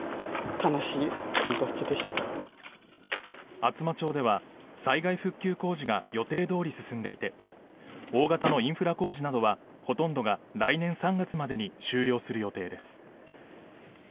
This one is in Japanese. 厚真町では災害復旧工事が予定どおり進んでいて大型のインフラ工事などはほとんどが来年３月までに終了する予定です。